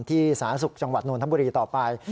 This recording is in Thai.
ที่ศาลาศุกร์จังหวัดนวลธรรมบุรีต่อไป